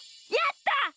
やった！